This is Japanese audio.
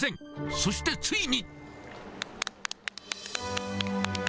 そしてついに。